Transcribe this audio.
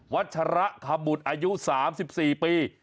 ัชระขบุตรอายุ๓๔ปี